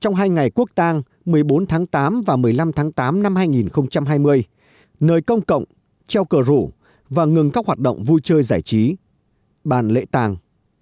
trong hai ngày quốc tàng một mươi bốn tháng tám và một mươi năm tháng tám năm hai nghìn hai mươi nơi công cộng treo cờ rủ và ngừng các hoạt động vui chơi giải trí bàn lễ tàng